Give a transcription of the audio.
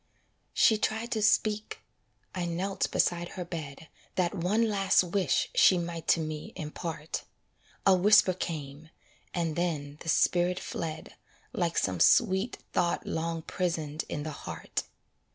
She tried to speak; I knelt beside her bed, That one last wish she might to me impart; A whisper came, and then the spirit fled Like some sweet thought long prisoned in the heart.